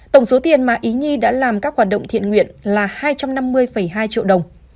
tổng số tiền mà ý nhi đã làm các hoạt động thiện nguyện là hai trăm năm mươi hai triệu đồng